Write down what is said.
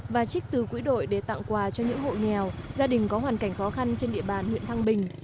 và trích từ quỹ đội để tặng quà cho những hộ nghèo gia đình có hoàn cảnh khó khăn trên địa bàn huyện thăng bình